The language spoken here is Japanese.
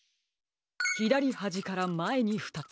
ひだりはじからまえにふたつ。